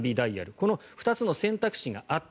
この２つの選択肢があった。